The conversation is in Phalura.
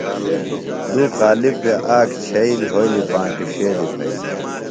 دُو قالب بےۡ آک چھئی لھولیۡ پانٹیۡ ݜیلیۡ پھئیۡ۔